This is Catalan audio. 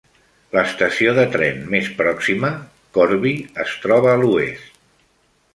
L'estació de tren més pròxima, Corby, es troba a l'oest.